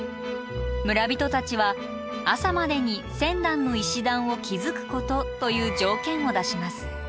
村人たちは「朝までに１，０００段の石段を築くこと」という条件を出します。